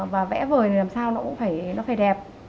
và vẽ vời làm sao nó cũng phải đẹp